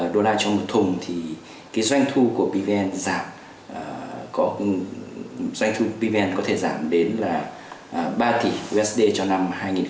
ba mươi đô la trong một thùng thì cái doanh thu của pvn giảm doanh thu của pvn có thể giảm đến là ba tỷ usd cho năm hai nghìn hai mươi